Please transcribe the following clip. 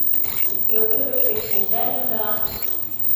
Ӱстелтӧрышкет шинчальым да